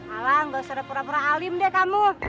ala nggak usah perah perah alim deh kamu